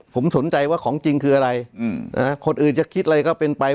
ผมสนใจว่าของจริงคืออะไรคนอื่นจะคิดอะไรก็เป็นไป